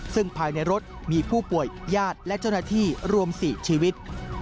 ซึ่งภายในรถมีผู้ป่วยญาติและเจ้าหน้าที่รวม๔ชีวิต